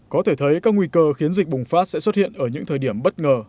có thể thấy các nguy cơ khiến dịch bùng phát sẽ xuất hiện ở những thời điểm bất ngờ